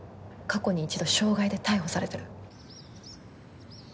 過去に一度傷害で逮捕されてる。